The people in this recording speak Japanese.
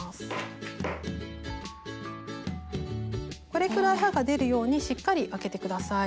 これくらい刃が出るようにしっかりあけて下さい。